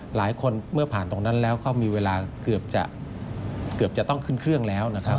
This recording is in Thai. หลายคนเมื่อผ่านตรงนั้นแล้วเขามีเวลาเกือบจะต้องขึ้นเครื่องแล้ว